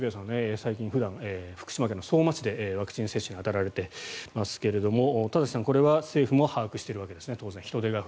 最近、福島県の相馬市でワクチン接種に当たられていますが田崎さん、これは政府も把握しているわけですよね。